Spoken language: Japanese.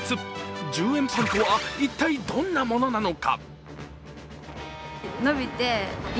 １０円パンとは一体どんなものなのか。